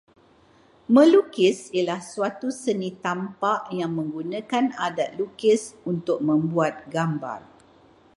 Melukis ialah suatu seni tampak yang menggunakan alat lukis untuk membuat gambar